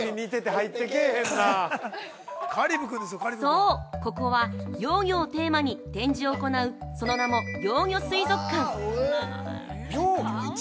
そう、ここは幼魚をテーマに展示を行うその名も幼魚水族館。